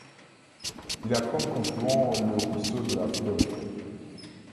Il a comme Confluent le Ruisseau de la Flotte.